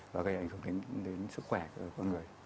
và gây ảnh hưởng đến sức khỏe của con người